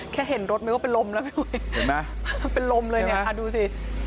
แค่เห็นรถมันก็เป็นลมเป็นลมเลยดูสิ